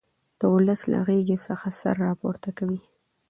د ولس له غېږې څخه سر را پورته کوي.